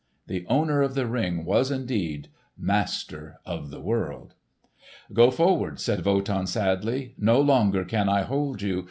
The owner of the Ring was indeed master of the world! "Go forward!" said Wotan sadly. "No longer can I hold you.